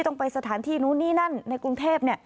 ต้องไปสถานที่นู่นนี่นั่นในกรุงเทพ